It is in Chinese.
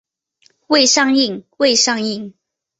未上映未上映